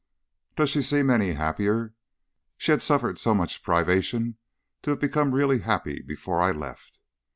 "Does she seem any happier? She had suffered too much privation to have become really happy before I left."